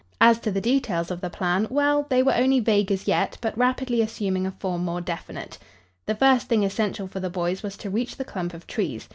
As to the details of the plan, well, they were only vague, as yet, but rapidly assuming a form more definite. The first thing essential for the boys was to reach the clump of trees.